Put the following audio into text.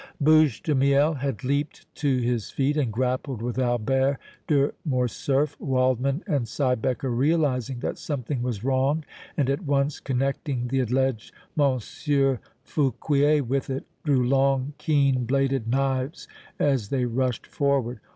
Bouche de Miel had leaped to his feet and grappled with Albert de Morcerf. Waldmann and Siebecker, realizing that something was wrong and at once connecting the alleged Monsieur Fouquier with it, drew long, keen bladed knives as they rushed forward.